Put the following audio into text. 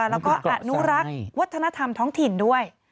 แล้วก็อนุรักษ์วัฒนธรรมท้องถิ่นด้วย